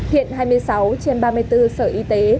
hiện hai mươi sáu trên ba mươi bốn sở y tế